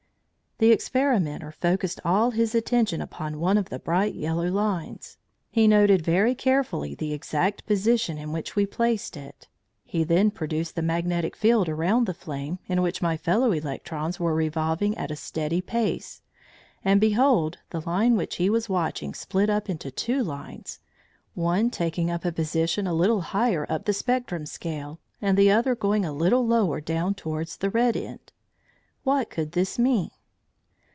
The experimenter focussed all his attention upon one of the bright yellow lines. He noted very carefully the exact position in which we placed it. He then produced the magnetic field around the flame, in which my fellow electrons were revolving at a steady pace, and, behold, the line which he was watching split up into two lines, one taking up a position a little higher up the spectrum scale, and the other going a little lower down towards the red end. What could this mean?